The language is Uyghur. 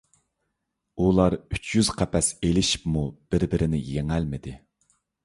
ئۇلار ئۈچ يۈز قەپەس ئېلىشىپمۇ بىر - بىرىنى يېڭەلمىدى.